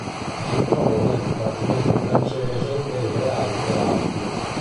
Si trova nel dipartimento francese delle Alte Alpi.